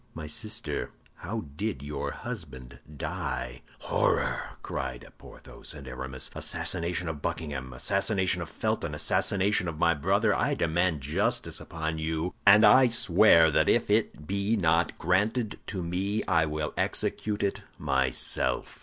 My sister, how did your husband die?" "Horror!" cried Porthos and Aramis. "Assassin of Buckingham, assassin of Felton, assassin of my brother, I demand justice upon you, and I swear that if it be not granted to me, I will execute it myself."